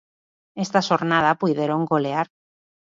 Esta xornada puideron golear.